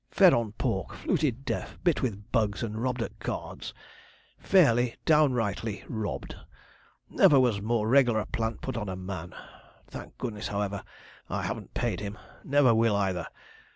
Fed on pork, fluted deaf, bit with bugs, and robbed at cards fairly, downrightly robbed. Never was a more reg'ler plant put on a man. Thank goodness, however, I haven't paid him never will, either.